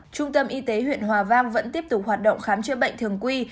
trung tâm y tế huyện hòa vang vẫn tiếp tục hoạt động khám chữa bệnh thường quy